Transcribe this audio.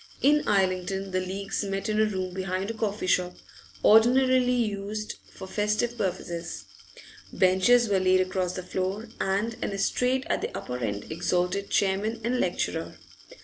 In Islington the leaguers met in a room behind a coffee shop, ordinarily used for festive purposes; benches were laid across the floor, and an estrade at the upper end exalted chairman and lecturer.